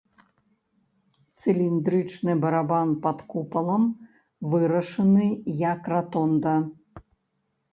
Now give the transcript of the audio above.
Цыліндрычны барабан пад купалам вырашаны як ратонда.